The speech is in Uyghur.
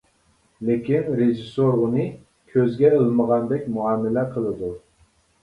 لېكىن رېژىسسور ئۇنى كۆزگە ئىلمىغاندەك مۇئامىلە قىلىدۇ.